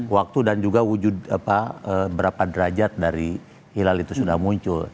waktu dan juga wujud berapa derajat dari hilal itu sudah muncul